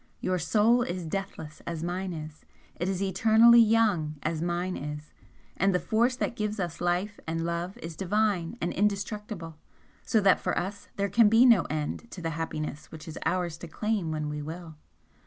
Your soul is deathless as mine is it is eternally young, as mine is, and the force that gives us life and love is divine and indestructible, so that for us there can be no end to the happiness which is ours to claim when we will.